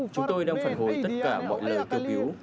chúng tôi đang phản hồi tất cả mọi lời kêu cứu